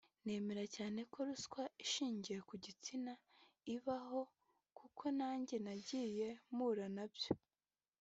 nemera cyane ko ruswa ishingiye ku gitsina ibaho kuko nanjye nagiye mpura nabyo